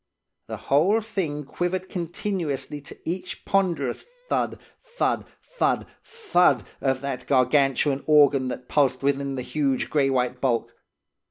The whole thing quivered continuously to each ponderous thud, thud, thud, thud, of that gargantuan organ that pulsed within the huge grey white bulk.